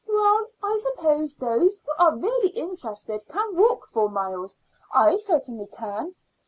"Well, I suppose those who are really interested can walk four miles. I certainly can.